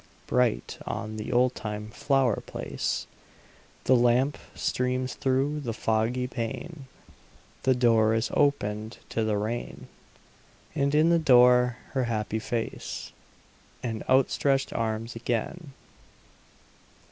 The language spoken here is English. Bright on the oldtime flower place The lamp streams through the foggy pane; The door is opened to the rain: And in the door her happy face And outstretched arms again.